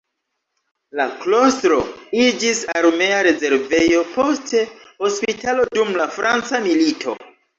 La klostro iĝis armea rezervejo poste hospitalo dum la franca milito.